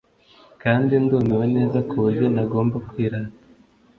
kandi ndumiwe neza kuburyo ntagomba kwirata